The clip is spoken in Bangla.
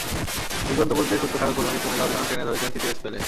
দুর্দান্ত গতিতে ছুটতে থাকা খুলনাকে কুমিল্লা অধিনায়ক টেনে ধরেছেন তৃতীয় স্পেলে।